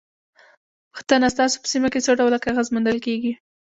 پوښتنه: ستاسو په سیمه کې څو ډوله کاغذ موندل کېږي؟